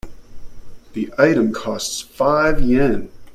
The item costs five Yen.